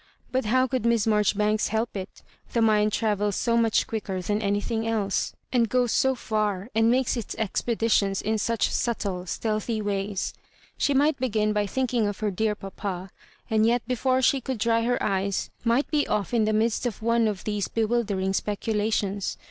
But how could Miss Marjoribanks help it? — the mind travels so much quicker than anything else, and goes 80 &r, and makes its expeditions in such subtle, stealthy ways. She might begin by think ing of her dear papa, and yet before she could dry her eyes might be off in the midst of one of these bewildering speculations.